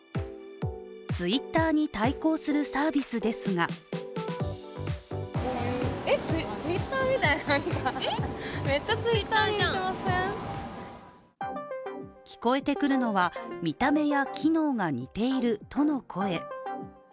Ｔｗｉｔｔｅｒに対抗するサービスですが聞こえてくるのは見た目や機能が似ているとの声。